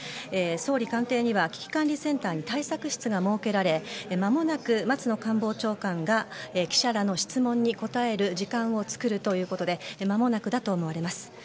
総理官邸には危機管理センターに対策室が設けられまもなく松野官房長官が記者らの質問に答える時間を作るということでまもなくだと思われます。